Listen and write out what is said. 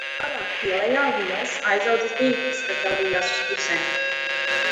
Tālāk ielejā liels, aizaudzis dīķis, kas dalījās uz pusēm.